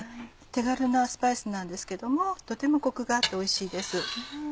手軽なスパイスなんですけどもとてもコクがあっておいしいです。